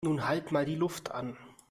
Nun halt mal die Luft an!